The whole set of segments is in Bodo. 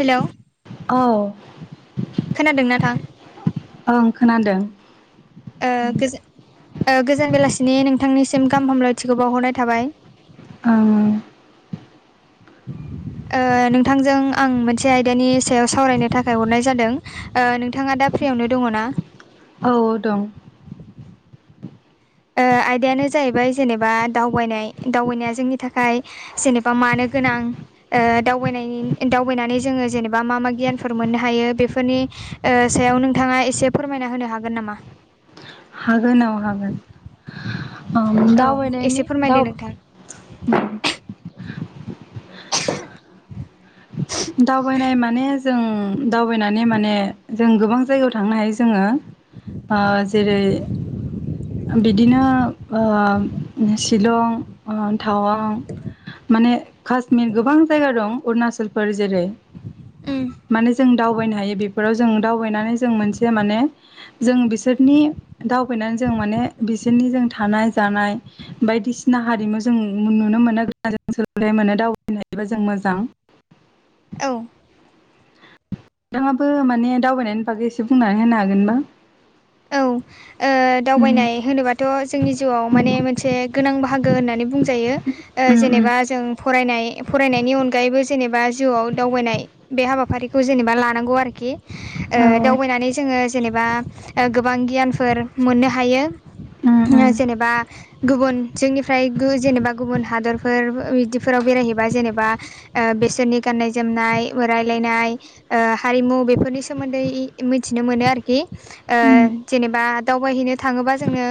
हेल' औ खोनादों ना थां ओं खोनादों ओ गोजो ओ गोजान बेलासिनि नोंथांनिसिम गाहाम हामलायथिखौ बावहरनाय थाबाय। ओं ओ नोंथांजों आं मोनसे आयदानि सायाव सावरायनो थाखाय हरनाय जादों। ओ नोंथाङा दा फ्रियावनो दङ ना? औ दं ओ आयदायानो जाहैबाय जेनेबा दावबायनाय दावबायनाया जोंनि थाखाय जेनेबा मानो गोनां ओ दावबायनायनि दावबायनानै जोङो जेनेबा मा मा गियानफोर मोननो हायो बेफोरनि ओ सायाव नोंथाङा एसे फोरमायना होनो हागोन नामा हागोन औ हागोन औ दावबायनायनि एसे फोरमायदो नोंथां उम बुंथिगिरिनि जेबो खोनानो मोननाय जायाखै दावबायनाय माने जों दावबायनानै माने जों गोबां जायगायाव थांनो हायो जोङो जेरै बिदिनो शिलं टावां माने काश्मिर गोबां जायगा दं अरुणचल फोर जेरै ओ माने जों दावबायनो हायो बेफोराव जों दावबायनानै जों मोनसे माने जों बिसोरनि दावबायनानै जों माने बिसोरनि जों थानाय जानाय बायदिसिना हारिमु जों नुनो मोनो ग जों सोल मोनो दावबायनो हायोबा जों मोजां औ नोंथाङाबो माने दावबायनायनि बागै एसे बुंनानै होनो हागोनबा औ उम दावबायनाय होनोबाथ' जोंनि जिउआव माने मोनसे गोनां बाहागो होननानै बुंजायो उम उम जेनेबा जों फरायनाय फरायनायनि अनगायैबो जेनेबा जिउआव दावबायनाय बे हाबाफारिखौ जेनेबा लानांगौ आरोखि दावबायनानै जोङो जेनेबा गोबां गियानफोर मोननो हायो जेनेबा गुबुन जोंनिफ्राय जेनेबा गुबुन हादरफोर बिदिफोराव बेरायहैबा जेनेबा बेसोरनि गाननाय जोमनाय रायलायनाय हारिमु बेफोरनि सोमोन्दै मिथिनो मोनो आरोखि जेनेबा दावबायहैनो थाङोबा जोंनो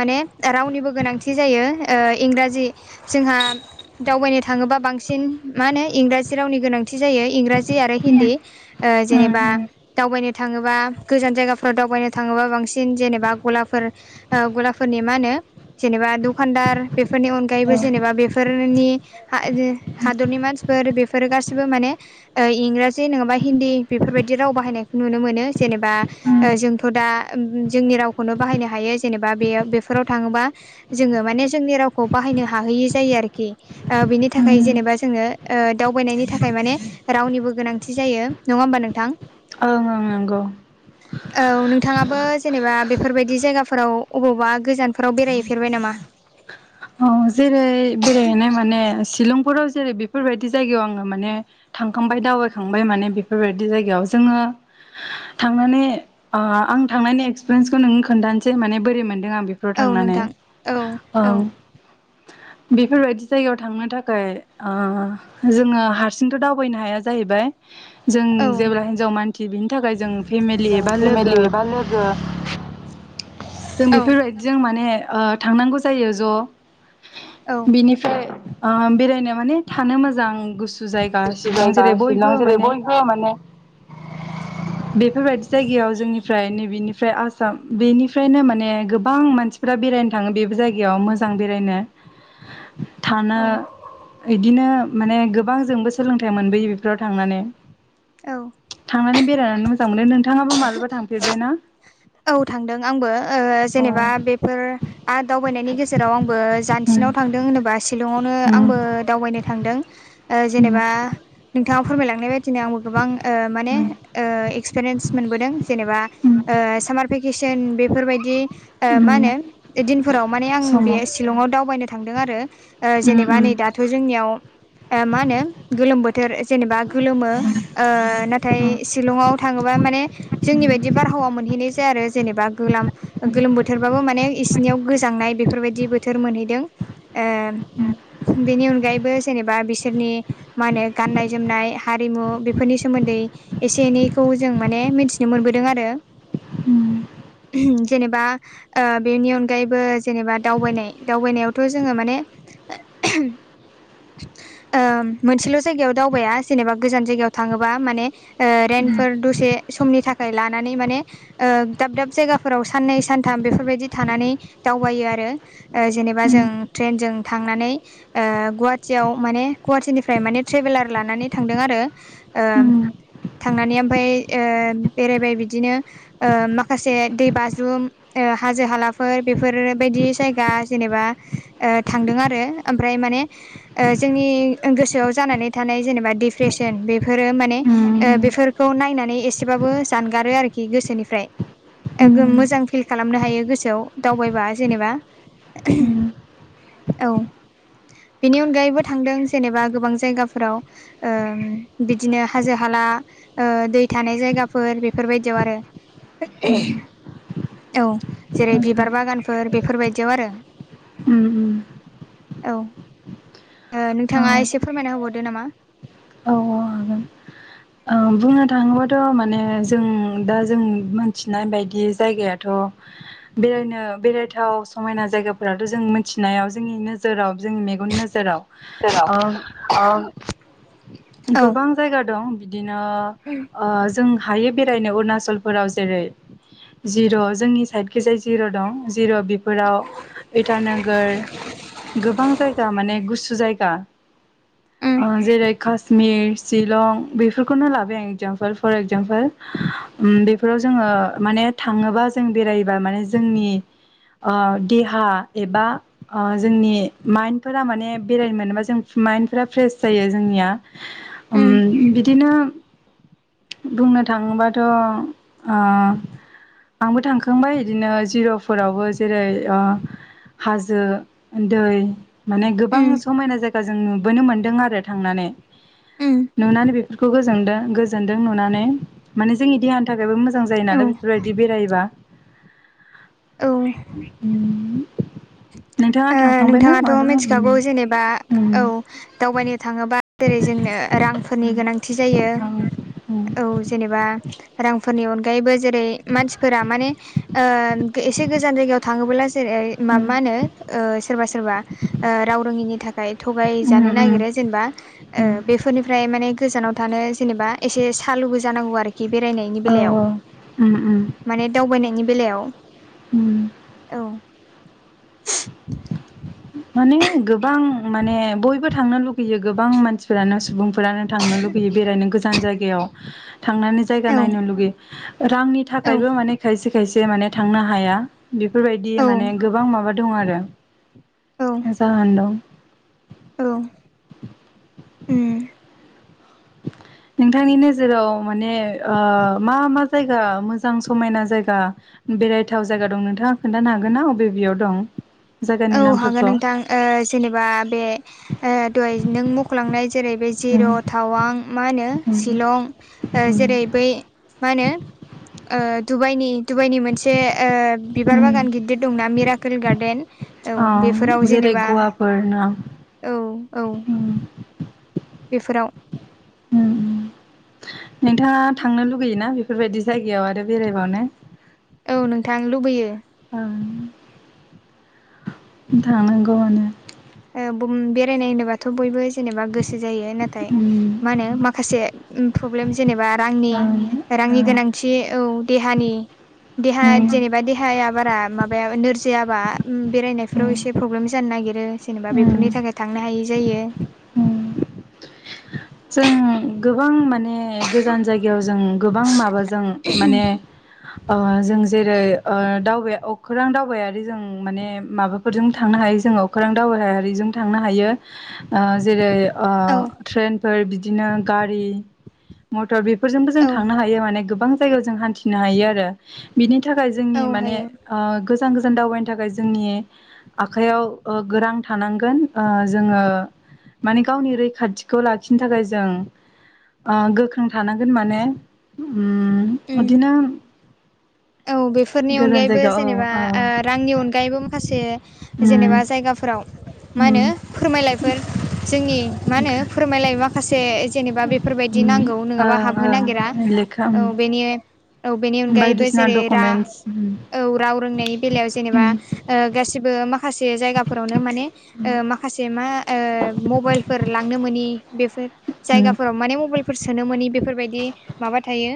माने रावनिबो गोनांथि जायो इंराजि जोंहा दावबायनो थाङोबा बांसिन मा होनो इंराजि रावनि गोनांथि जायो इंराजि आरो उम हिन्दी उम जेनेबा दावबायनो थाङोबा गोजान जायगा फोराव दावबायनो थाङोबा बांसिन जेनेबा गलाफोर गलाफोरनि मा होनो जेनेबा दखानदार बेफोरनि अनगायैबो जेनेबा बे फोरनि हादरनि मानसिफोर बेफोरो गासिबो माने इंराजि नङाबा हिन्दी बेफोरबायदि राव बाहायनायखौ नुनो मोनो जेनेबा जोंथ' दा जोंनि रावखौनो बाहायनो हायो जेनेबा बे बेफोराव थाङोबा जोङो माने जोंनि रावखौ बाहायनो हाहैयि जायो आरोखि ओ बिनि थाखाय उम जेनेबा जोङो ओ दावबायनायनि थाखाय माने रावनिबो गोनांथि जायो नङा होमबा नोंथां? ओं ओं नोंगौ। औ नोंथाङाबो जेनेबा बेफोरबायदि जायगाफोराव अबावबा गोजानफोराव बेरायहैफेरबाय नामा? औ जेरै बेरायहैनाय माने शिलंफोराव जेरै बेफोरबायदि जायगायाव आङो माने थांखांबाय दावबायखांबाय माने बेफोरबायदि जायगायाव जोङो थांनानै ओ आं थांनायनि एक्सपिरियेन्सखौ नोंनो खोन्थानोसै माने बोरै मोनदों आं बेखौ बो औ थांनानै, नोंथां औ औ ओं। बेफोरबायदि जायगायाव थांनो थाखाय ओ जोङो हारसिंथ' दावबायनो हाया जाहैबाय जों औ जेब्ला हिनजाव मानसि बिनि थाखाय जों फेमिलि एबा लोगो [inaudible] बुंथिगिरिनि जेबो खोनानो मोननाय जायाखै जों बेफोरबायदिजों माने थांनांगौ जायो ज' औ बिनिफ्राय बेरायनो माने थानो मोजां गुसु जायगा गुसु शिलं जायगा जेरै शिलं बयबो जेरै माने बयबो माने बेफोरबायदि जायगायाव जोंनिफ्राय नैबेनिफ्राय आसाम बेनिफ्रायनो माने गोबां मानसि जा बेरायनो थाङो बेबो जायगायाव मोजां बेरायनो थानो औ बिदिनो माने गोबां जोंबो सोलोंथाइ मोनबोयो बेफोराव थांनानै औ। थांनानै बेरायनानै मोजां मोनो नोंथाङाबो मालाबा थांफेरबाय ना? औ थांदों आंबो ओ औ जेनेबा बेफोर आ दावबायनायनि गेजे जेराव आंबो जानसिनाव थांदों होनोबा शिलंआवनो आंबो दावबायनो थांदों। ओ जेनेबा नोंथाङा फोरमायलांनाय बायदि दिनै आंबो गोबां ओ माने ओ एक्सपिरियेन्स मोनबोदों जेनेबा ओ थिसियेन बेफोरबादि ओ मा होनो ए दिनफोराव माने आं बेहाय शिलंआव दावबायनो थांदों आरो ओ जेनेबा नै दाथ' जोंनियाव ओ मा होनो गोलोम बोथोर जेनेबा गोलोमो ओ नाथाय शिलंआव थाङोबा माने जोंनि बायदि बारहावा मोनहैनाय जाया आरो जेनेबा गोलाम गोलोम बोथोरबाबो माने इसिनियाव गोजांनाय बेफोरबायदि बोथोर मोनहैदों, ओ बेनि अनगायैबो जेनेबा बिसोरनि मा होनो गाननाय जोमनाय हारिमु बेफोरनि सोमोन्दै एसे एनैखौ जों माने मिन्थिनो मोनबोदों आरो। जेनेबा ओ बेनि अनगायैबो जेनेबा दावबायनाय दावबायनायावथ' जोङो माने [inaudible] ओ मोनसेल' जायगायाव दावबायाया जेनेबा गोजान जायगायाव थाङोबा माने रेन्टफोर दसे समनि थाखाय लानानै माने ओ दाब दाब जायगाफोराव साननै सानथाम बेफोरबायदि थानानै दावबायो आरो। ओ जेनेबा जों ट्रेनजों थांनानै ओ गुवाहाटियाव माने गुवाहाटिनिफ्राय माने ट्रेभेलार लानानै थांदों आरो। ओ थांनानै ओमफाय ओ बेरायबाय बिदिनो ओ माखासे दै बाज्रुम ओ हाजो हालाफोर बेफोरबायदि जायगा जेनेबा ओ थांदों आरो ओमफ्राय माने ओ जोंनि गोसोआव जानानै थानाय जेनेबा डिप्रेसन बेफोरो माने ओ बेफोरखौ नायनानै एसेबाबो जानगारो आरोखि गोसोनि फ्राय ओ मोजां फिल खालामनो हायो गोसोआव दावबायबा जेनेबा औ। बिनि अनगायैबो थांदों जेनेबा गोबां जायगाफोराव ओ बिदिनो हाजो हाला ओ दै थानाय जायगाफोर बेफोरबायदियाव आरो। औ जेरै बिबार बागानफोर बेफोरबायदियाव आरो। उम उम। औ ओ नोंथाङा एसे फोरमायना होबावदो नामा? औ हागोन बुंनो थाङोबाथ' माने जों दा जों मोनथिनाय बायदि जायगायाथ' बेरायनो बेरायथाव समायना जायगाफोराथ' जों मिथिनायाव जोंनि नोजोराव जोंनि मेगननि नोजोराव ओ [unintelligible] ओ गोबां जायगा दं बिदिनो ओ जों हायो बेरायनो अरुणाचलफोराव जेरै जिर' जोंनि साइदखैजाय जिर' दं जिर' बेफोराव इटानोगोर गोबां जायगा माने गुसु जायगा उम ओ जेरै मिर शिलं बेफोरखौनो लाबाय आं एक्जामपोल फर एक्जामपोल उम बेफोराव जोङो माने थाङोबा जों बेरायोबा माने जोंनि आ दिहा एबा ओ जोंनि माइन्डफोरा माने बेरायनो मोनोबा जों माइन्न्दफोरा फ्रेस जायो जोंनिया। उम बिदिनो बुंनो थाङोबाथ' ओ आंबो थांखांबाय बिदिनो जिर'फोरावबो जेरै ओ हाजो दै माने गोबां उम समायना जायगा जों नुबोनो मोनदों आरो थांनानै। उम। नुनानै बेफोरखौ गोजोदों गोजोनदों नुनानै, माने जोंनि देहानि थाखायबो मोजां जायो औ नालाय बेफोरबायदि बिदि बेरायोबा औ उम नोंथाङाथ' उम मिथिखागौ जेनेबा उम औ दावबायनो थाङोबा जेरै जोंनो रांफोरनि गोनांथि जायो उम उम औ जेनेबा रांफोरनि अनगायैबो जेरै मानसिफोरा माने ओ बे एसे गोजान जायगायाव थाङोबोला जेरै म मा होनो सोरबा सोरबा राव रोङिनि था खाय थगाय उम जानो उम नागिरो जेनेबा उम बेफोरनिफ्राय माने गोजानाव थानो जेनेबा एसे सालुबो जानांगौ आरोखि बेरायनायनि औ बेलायाव। औ उम उम माने दावबायनायनि बेलायाव, उम औ। माने गोबां माने बयबो थांनो लुगैयो गोबां मानसि फोरानो सुबुंफोरानो थांनो लुुबैयो बेरायनो गोजान जायगायाव। थांनानै जायगा औ नायनो लुगैयो। रांनि औ थाखायबो माने खायसे खायसे माने थांनो हाया। बेफोरबायदि औ माने गोबां माबा दं आरो, औ जाहोन दं। औ। उम नोंथांनि नोजोराव माने मा मा जायगा मोजां समायना जायगा बेरायथाव जायगा दं नोंथाङा खोनन्थानो हागोन ना अबे बेयाव दं? जायगानि औ हागोन नामफोरखौ नोंथां ओ जेनेबा बे दहाय नों मख लांनाय जेरै बे जिर', उम थावां मा होनो उम शिलं जेरै बै मा होनो दुबाइनि डुबाइनि मोनसे बिबार बागान गिदिर दंना मिराकेल गार्डेन औ अ बेफोराव जेरै जेनेबा गवाफोर न'? औ औ। बेफोराव उम उम नोंथाङा थांनो लुगैयोना बेफोरबायदि जायगायाव आरो बेरायबावनो? औ नोंथां लुबैयो। उम। थांनांगौआनो। ओम बुम बेरायनाय होनोबाथ' बयबो जेनेबा गोसो जायो नाथाय उम मा होनो माखासे प्रब्लेम जेनेबा रांनि उम ओं रांनि गोनांथि औ देहानि देहा जेनेबा देहाया बारा माबाया नोरजि जैयाबा ओं बेरायनायफोराव उम एसे प्रब्लेम जानो नागिरो जेनेबा बेफोरनि उम थाखाय थांनो हायै जायो। उम जों गोबां माने गोजान जायगायाव जों गोबां माबाजों माने ओ जों जेरै ओ दावबाय अखोरां दावबायारि जों माने माबाफोरजों थांनो हायो जोङो अखोरां दावबायारिजों थांनो हायो। ओ जेरै ओ औ ट्रेनफोर बिदिनो गारि मटर बेफोरजोंबो जों औ थांनो हायो माने गोबां जायगायाव जों हान्थिनो हायो आरो। बिनि थाखाय औ जोंनि माने हायो गोजान गोजान दावबायनो थाखाय जोंनि आखाइयाव गो रां थानांगोन जोङो माने गावनि रैखाथिखौ ला [unintelligible] थाखाय जों ओ गोख्रों थानांगोन माने। उम उम बिदिनो औ बेफोरनि गोजान अनगायैबो जायगायाव जेनेबा औ औ रांनि अनगायैबो माखासे जेनेबा उम जायगाफोराव मा होनो उम फोरमायलायफोर जोंनि मा होनो फोरमायलायो माखासे जेनेबा बेफोरबायदि उम नांगौ नङाबा ओं हाबहोनो ओं नागिरा। लेखा औ बेनि औ बेनि अनगायैबो बायदिसिना जेरै रा डकुमेन्टस उम औ राव रोंनायनि बेलायाव जेनेबा उम ओ गासिबो माखासे जायगाफोरावनो माने ओ माखासे मा ओ मबाइलफोर लांनो मोनि बेफोर जायगाफोराव माने मबाइल सोनो मोनि बेफोरबायदि माबा थायो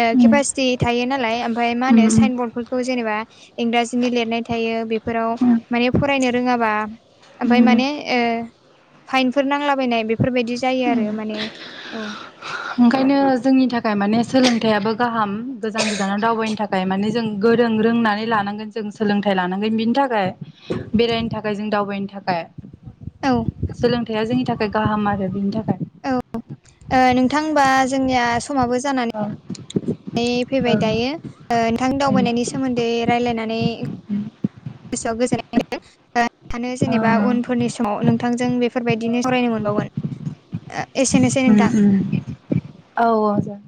ओ उम केपासिटि थायो नालाय ओमफ्राय मा होनो साइ उम बदफोरखौ जेनेबा इंराजिनि लिरनाय थायो बे फोराव उम माने फरायनो रोङाबा ओमफाय उम माने ओ फाइनफोर नांलाबायनाय बेफोरबायदि जायो आरो माने औ। ओंखायनो जोंनि थाखाय माने सोलोंथाइयाबो गाहाम गोजान गोजानाव दावबायनो था खाय माने जों गोरों रोंनानै लानांगोन जों सोलोंथाइ लानांगोन बिनि थाखाय बेरायनो थाखाय जों दावबायनो थाखाय। औ सोलोंथायाइया जोंनि थाखाय गाहाम आरो बिनि थाखाय। औ ओ नोंथां होमबा जोंनिया समाबो जानानै औ फैबाय ओं दायो नोंथांनि उम दावबायनायनि सोमोन्दै रायलायनानै गोसोआव गोजोननाय [unintelligible] सानो औ जेनेबा उनफोरनि समाव नोंथांजों बेफोरबायदिनो फरायनो मोनबावगोन। एसेनोसै नोंथां। औ औ जागोन।